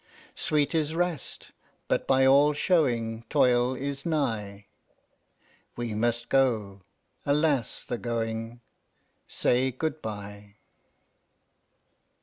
Sweet is rest; but by all showing Toil is nigh. We must go. Alas! the going, Say "good bye."